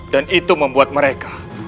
dan itu membuat mereka